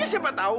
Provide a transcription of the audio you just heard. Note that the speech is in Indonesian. ya siapa tahu